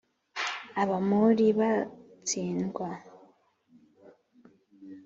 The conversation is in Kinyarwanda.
abamori batsindwa